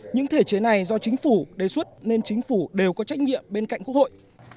những thể chế này do chính phủ đề xuất nên chính phủ đều có trách nhiệm bên cạnh quốc hội